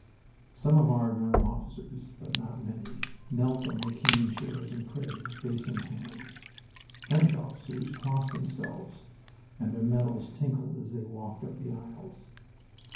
Some of our young officers, but not many, knelt on the cane chairs and prayed, face in hands. French officers crossed themselves and their medals tinkled as they walked up the aisles.